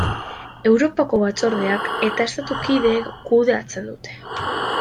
Europako Batzordeak eta estatu kideek kudeatzen dute.